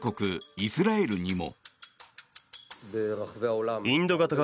イスラエルにも。